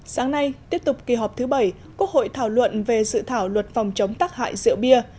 sáng nay tiếp tục kỳ họp thứ bảy quốc hội thảo luận về dự thảo luật phòng chống tác hại rượu bia